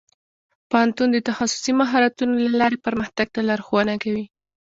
پوهنتون د تخصصي مهارتونو له لارې پرمختګ ته لارښوونه کوي.